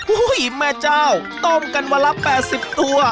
โอ้โหแม่เจ้าต้มกันวันละ๘๐ตัว